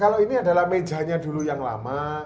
kalau ini adalah mejanya dulu yang lama